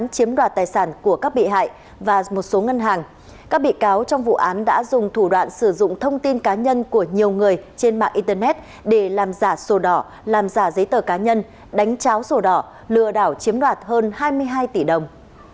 các bị hại các bị cáo trong vụ án đã dùng thủ đoạn sử dụng thông tin cá nhân của nhiều người trên mạng internet để làm giả sổ đỏ làm giả giấy tờ cá nhân đánh cháo sổ đỏ lừa đảo chiếm đoạt hơn hai mươi hai tỷ đồng